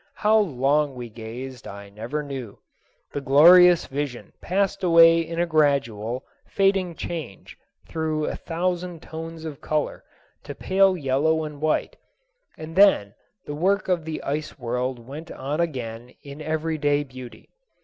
How long we gazed I never knew. The glorious vision passed away in a gradual, fading change through a thousand tones of color to pale yellow and white, and then the work of the ice world went on again in everyday beauty.